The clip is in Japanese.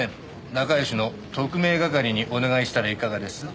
仲良しの特命係にお願いしたらいかがです？